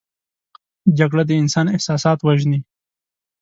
جګړه د انسان احساسات وژني